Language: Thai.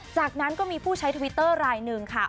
จากนั้นก็มีผู้ใช้ทวิตเตอร์รายหนึ่งค่ะ